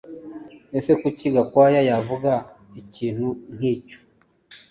Ese Kuki Gakwaya yavuga ikintu nkicyo